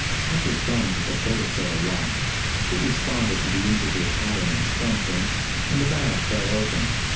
Hunter thumbed the photocell lock. It responded to the individual pattern of his thumbprint, and the bag fell open.